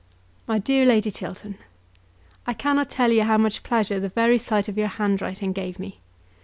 MY DEAR LADY CHILTERN, I cannot tell you how much pleasure the very sight of your handwriting gave me.